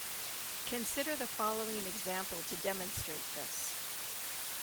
Consider the following example to demonstrate this.